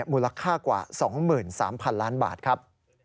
มูลค่ากว่า๒๓๐๐๐ล้านบาทครับ